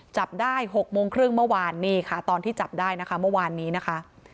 จับได้๖โมงครึ่งเมื่อวานนี่ค่ะตอนที่จับได้นะคะเมื่อวานนี้นะคะ